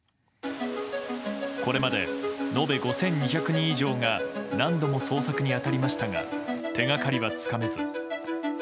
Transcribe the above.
これまで延べ５２００人以上が何度も捜索に当たりましたが手掛かりはつかめず。